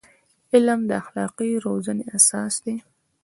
علم د اخلاقي روزنې اساس دی.